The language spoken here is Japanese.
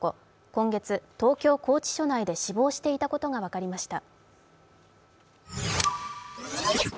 今月、東京拘置所内で死亡していたことが分かりました。